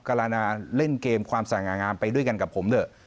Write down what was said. การาเล่นเกมความสง่างามไปด้วยกันกับผมเถอะ